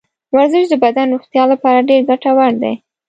ورزش د بدن د روغتیا لپاره ډېر ګټور دی.